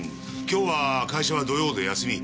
今日は会社は土曜で休み。